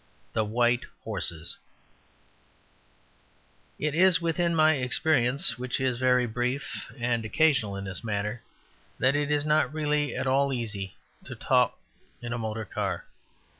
The White Horses It is within my experience, which is very brief and occasional in this matter, that it is not really at all easy to talk in a motor car.